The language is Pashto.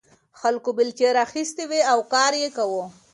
خلکو بیلچې راخیستې وې او کار یې کاوه.